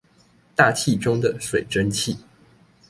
大氣中的水蒸氣